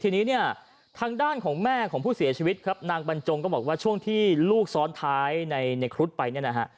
ทีนี้เนี่ยทางด้านของแม่ของผู้เสียชีวิตครับนางบรรจงก็บอกว่าช่วงที่ลูกซ้อนท้ายในครุฑไปเนี่ยนะฮะ